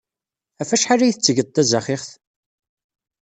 Ɣef wacḥal ay tettged tazaxixt?